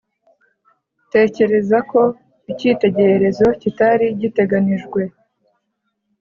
tekereza ko icyitegererezo kitari giteganijwe?